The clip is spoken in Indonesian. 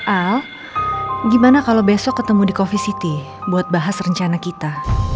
al gimana kalau besok ketemu di coffee city buat bahas rencana kita